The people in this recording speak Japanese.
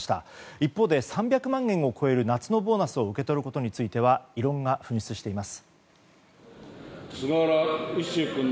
一方で３００万円を超える夏のボーナスを受け取ることについては異論が噴出しています。